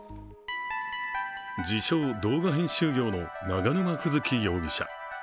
自称動画編集業の永沼楓月容疑者。